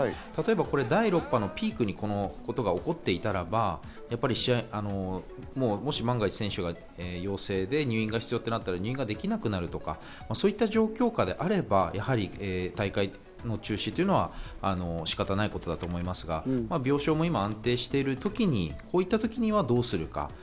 例えば第６波のピークにこのことが起こっていたら、万が一、選手が陽性で入院が必要となった時、入院ができなくなるとか、そういう状況下であれば大会の中止というのは仕方ないことだと思いますが今、病床が安定しているときにはどうするか。